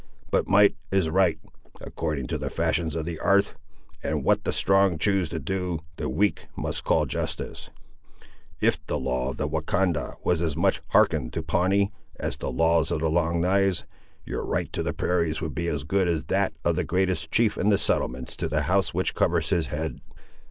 But might is right, according to the fashions of the 'arth; and what the strong choose to do, the weak must call justice. If the law of the Wahcondah was as much hearkened to, Pawnee, as the laws of the Long knives, your right to the prairies would be as good as that of the greatest chief in the settlements to the house which covers his head."